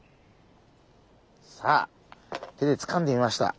さあ手でつかんでみました。